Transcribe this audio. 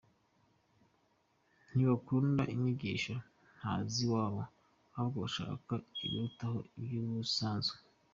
Ntibakunda inyigisho nto z’iwabo, ahubwo bashaka ibirutaho iby’ubusanzwe.